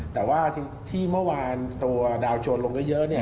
แต่ว่าที่เมื่อวานตัวดาวโจรลงเยอะ